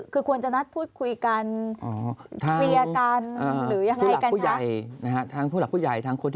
คือควรจะนัดพูดคุยกัน